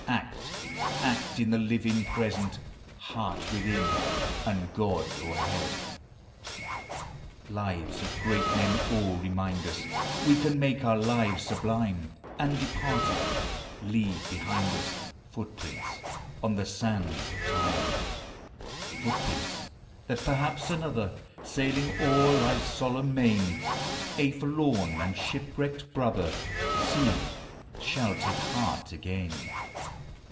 Act, — act in the living Present! Heart within, and God o'erhead! Lives of great men all remind us We can make our lives sublime, And, departing, leave behind us Footprints on the sands of time; — Footprints, that perhaps another, Sailing o'er life's solemn main, A forlorn and shipwrecked brother, Seeing, shall take heart again.